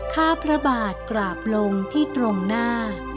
ข้าพระบาทกราบลงที่ตรงหน้า